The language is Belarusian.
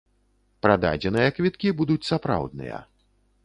Прададзеныя квіткі будуць сапраўдныя.